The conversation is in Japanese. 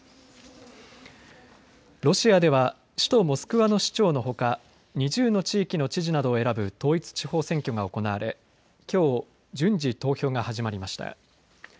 ロシアでは首都モスクワの市長のほか２０の地域の知事などを選ぶ統一地方選挙が行われきょう順次投票が始まりました。